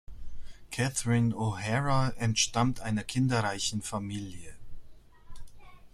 Catherine O’Hara entstammt einer kinderreichen Familie.